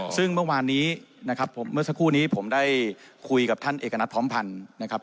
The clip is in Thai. ซึ่งเมื่อวานนี้นะครับผมเมื่อสักครู่นี้ผมได้คุยกับท่านเอกณัฐพร้อมพันธ์นะครับ